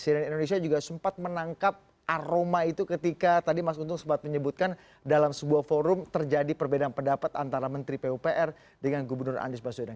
cnn indonesia juga sempat menangkap aroma itu ketika tadi mas untung sempat menyebutkan dalam sebuah forum terjadi perbedaan pendapat antara menteri pupr dengan gubernur anies baswedan